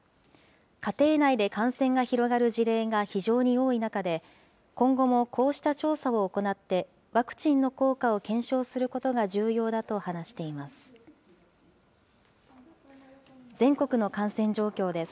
家庭内で感染が広がる事例が非常に多い中で、今後もこうした調査を行って、ワクチンの効果を検証することが重要だと話しています。